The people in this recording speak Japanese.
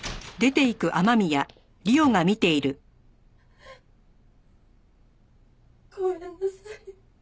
「ううっごめんなさい」